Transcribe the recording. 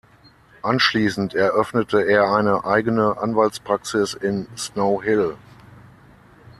Anschließend eröffnete er eine eigne Anwaltspraxis in Snow Hill.